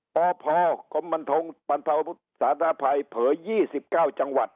ปพกบศเผย์๒๙จังหวัด